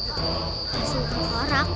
hasil sentang korak